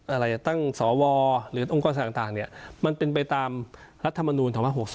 อะไรตั้งสวหรือองค์กรสัตว์ต่างเนี่ยมันเป็นไปตามรัฐมนูญทางภาพ๖๐